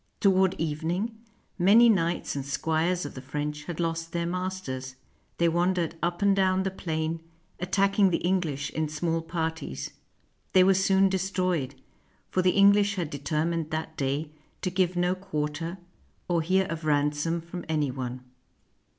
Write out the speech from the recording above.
Toward evening, many knights and squires of the French had lost their masters: they wandered up and down the plain, attacking the EngUsh in small par ties: they were soon destroyed; for the English had de termined that day to give no quarter or hear of ransom from any one.